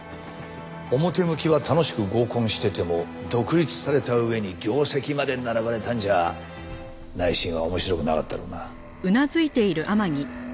表向きは楽しく合コンしてても独立された上に業績まで並ばれたんじゃ内心は面白くなかったろうな。